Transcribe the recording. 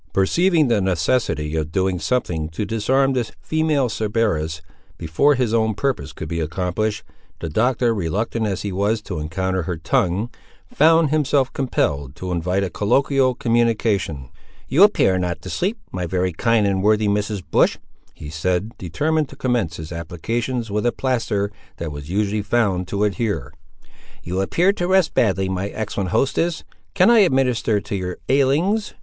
Perceiving the necessity of doing something to disarm this female Cerberus, before his own purpose could be accomplished, the Doctor, reluctant as he was to encounter her tongue, found himself compelled to invite a colloquial communication. "You appear not to sleep, my very kind and worthy Mrs. Bush," he said, determined to commence his applications with a plaster that was usually found to adhere; "you appear to rest badly, my excellent hostess; can I administer to your ailings?"